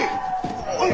はい！